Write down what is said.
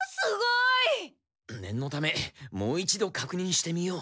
念のためもう一度確認してみよう。